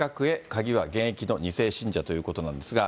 鍵は現役の２世信者ということなんですが。